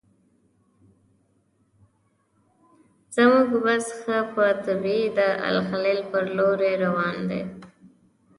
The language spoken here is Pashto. زموږ بس ښه په طبعه د الخلیل پر لوري روان و.